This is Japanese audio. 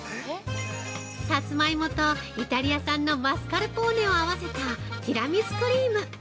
◆さつまいもとイタリア産のマスカルポーネを合わせたティラミスクリーム。